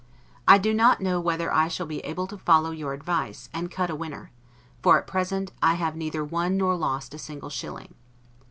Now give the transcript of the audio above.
I do not know whether I shall be able to follow, your advice, and cut a winner; for, at present, I have neither won nor lost a single shilling.